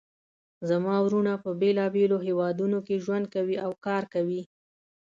زما وروڼه په بیلابیلو هیوادونو کې ژوند کوي او کار کوي